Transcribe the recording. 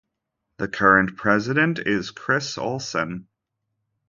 The current president is Chris Olson.